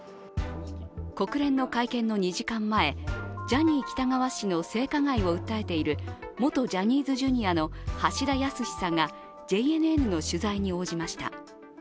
国連の会見の２時間前、ジャニー喜多川氏の性加害を訴えている元ジャニーズＪｒ．の橋田康さんがＪＮＮの取材に応じました。